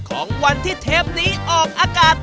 ของวันที่เทปนี้ออกอากาศ